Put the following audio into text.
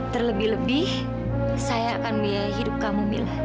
terlebih lebih saya akan biaya hidup kamu mila